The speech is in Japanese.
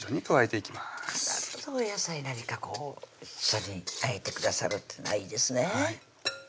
お野菜何かこう一緒にあえてくださるっていいですね